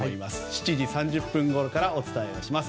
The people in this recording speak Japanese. ７時３０分ごろからお伝えをします。